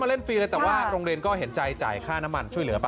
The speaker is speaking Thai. เล่นฟรีเลยแต่ว่าโรงเรียนก็เห็นใจจ่ายค่าน้ำมันช่วยเหลือไป